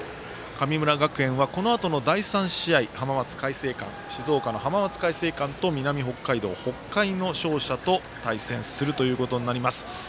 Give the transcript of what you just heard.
神村学園は、このあと静岡の浜松開誠館と南北海道、北海の勝者と対戦することとなります。